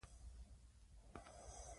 مور د ماشومانو د ناروغۍ په اړه اندیښنه لري.